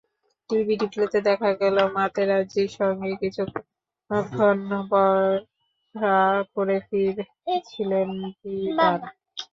TV রিপ্লেতে দেখা গেল, মাতেরাজ্জির সঙ্গে কিছুক্ষণ বচসা করে ফিরছিলেন জিদান।